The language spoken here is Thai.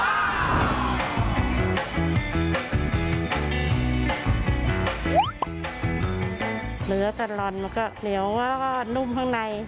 เนื้อตลอดมันก็เหนียวแล้วก็นุ่มข้างใน